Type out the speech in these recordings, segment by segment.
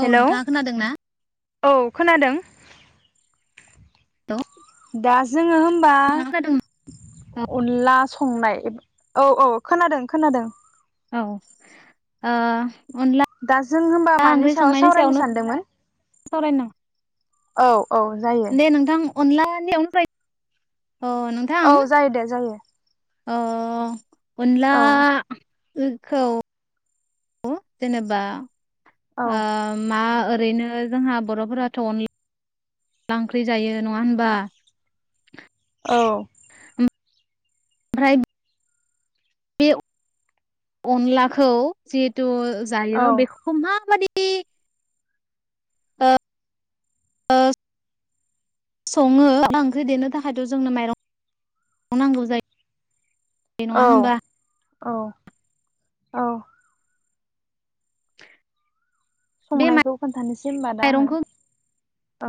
औ हेलौ नोंथाङा खोनादों ना? औ खोनादों। हेल' दा जोङो होमबा नोंथाङा खोनादों औ अनला संनाय औ औ खोनादों खोनादों। औ ओ अनला दा जों होमबा मानि ओंख्रि सायाव संनायनि सावरायनो सायावनो सानदोंमोन सावरायनो नामा? औ। औ जायो। अनला निवानो [unintelligible] औ जायो दे जायो। ओ अनला औ खौ जेनेबा औ ओ मा ओरैनो जोंहा बर'फोराथ' अनला ओंख्रि जायो नङा होनबा? औ। ओमफ्राय बे अनलाखौ जिहेथु जायो बेखौ माबायदि? ओ ओ सङो अनला ओंख्रि देनो थाखायथ' जोंनो माइरं नांगौ जायो नङा औ होमबा औ औ बे संनायखौ खोन्थानोसै होनबा दा आङो माइरंखौ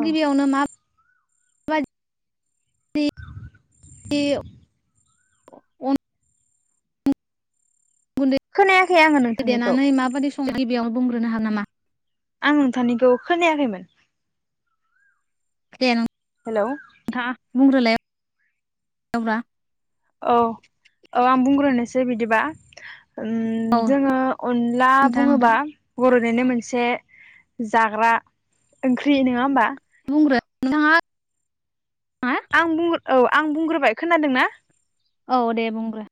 औ गिबियावनो [inaudible] उन [inaudible] खोनायाखै आङो नोंथांनिखौ बेयावनो बुंग्रोनो हा नामा आं नोंथांनिखौ खोनायाखैमोन दनो हेलौ नोंथाङा बुंग्रोलाय [inaudible] औ औ आं बुंग्रोनोसै बिदि बा ओम औ जोङो अनला नोंथाङा नोंथां बुङोबा बर'नि ओरैनो मोनसे जाग्रा ओंख्रि नोङा होमबा बुंग्रो नोंथाङा आं बुं औ आं बुंग्रोबाय खोनादोंना औ दे बुंग्रो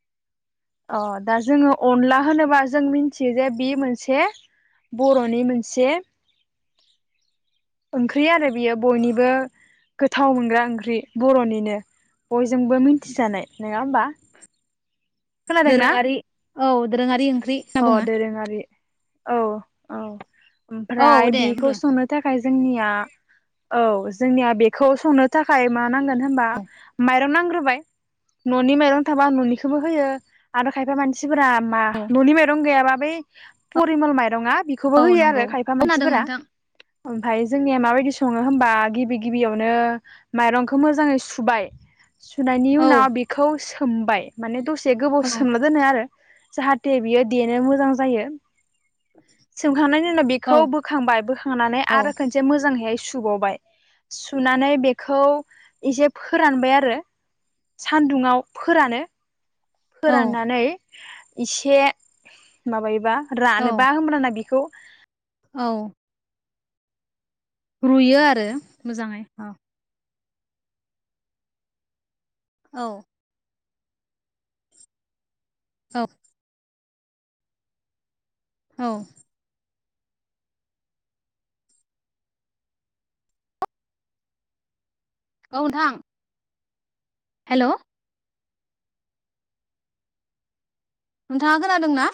अ दा जोङो अनला होनोबा जों मिथियो जे बि मोनसे बर'नि मोनसे ओंख्रि आरो बियो बयनिबो गोथाव मोनग्रा ओंख्रि बर'निनो बयजोंबो मिथिजानाय नोङा होमबा खोनादोंना दोरैङारि औ दोरोङारि होनना अ बुङो दोरोंङारि औ औ औ ओमफ्राय दे बेखौ बुंग्रो संनो थाखाय जोंनिया औ जोंनिया बेखौ संनो थाखाय मा नांगोन होम्बा औ माइरं नां होबाय न'नि माइरं थाबा आं न'निखौबो होयो आरो खायफा मानसिफोरा मा न'नि माइरं गैयाबा बै परिमल माइरङा बेखौबो औ होयो नंगौ आरो खायफा खोनादों मानसिफोरा नोंथां ओमफाय जोंनिया माबायदि सङो हबा गिबि गिबियावनो माइरंखौ मोजाङै सुबाय सुनायनि औ उनाव बेखौ सोमबाय माने दसे गोबाव औ सोमना दोनो आरो जाहा थे बियो देनो मोजां जायो। सोमखांनायनि उनाव बेखौ बोखांबाय बोखांनानै औ आरो खनसे मोजाङैहाय सु सुबावबाय सुनानै बेखौ एसे फोरानबाय आरो सानदुंआव फोरानो औ फोराननानै इसे माबायोबा औ रानोबा होमब्लाना बेखौ औ। रुयो आरो मोजाङै अ। औ। औ। औ। औ नोंथां। हेलौ नोंथाङा खोनादों ना?